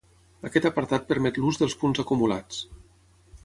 Aquest apartat permet l'ús dels punts acumulats.